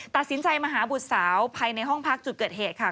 ตัดสินใจมาหาบุตรสาวภายในห้องพักจุดเกิดเหตุค่ะ